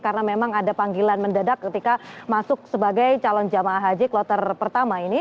karena memang ada panggilan mendadak ketika masuk sebagai calon jemaah haji kloter pertama